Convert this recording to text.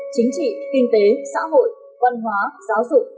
chính trị kinh tế xã hội văn hóa giáo dục